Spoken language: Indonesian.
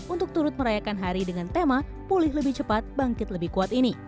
untuk turut merayakan hari dengan tema pulih lebih cepat bangkit lebih kuat ini